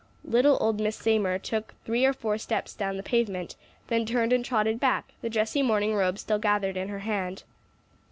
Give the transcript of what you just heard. Little old Miss Seymour took three or four steps down the pavement, then turned and trotted back, the dressy morning robe still gathered in her hand.